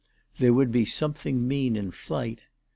There would be something mean in flight.